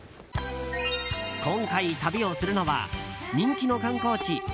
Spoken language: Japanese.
今回、旅をするのは人気の観光地